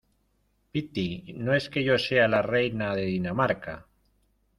piti, no es que yo sea la reina de Dinamarca